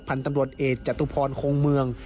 ผันตำรวจเอจจัตุพรคงเมือง